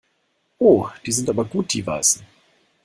Oh, die sind aber gut die Weißen.